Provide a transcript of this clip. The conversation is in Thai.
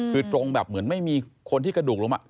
คือตรงแบบเหมือนไม่มีคนที่กระดูกล้ม